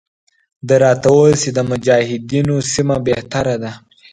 ده راته وویل چې د مجاهدینو سیمه بهتره ده.